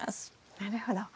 なるほど。